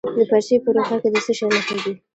د پنجشیر په روخه کې د څه شي نښې دي؟